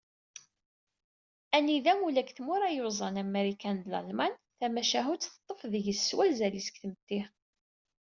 Anida ula deg tmura yuẓan am Marikan d Lalman, tamacahut teṭṭef adeg s wazal-is deg tmetti.